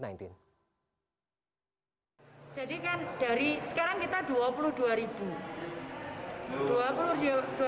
jadi kan dari sekarang kita dua puluh dua ribu